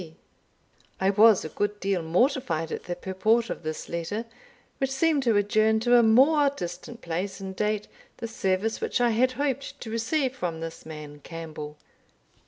C." I was a good deal mortified at the purport of this letter, which seemed to adjourn to a more distant place and date the service which I had hoped to receive from this man Campbell.